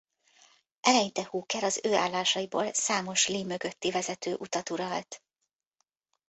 Eleinte Hooker az ő állásaiból számos Lee mögötti vezető utat uralt.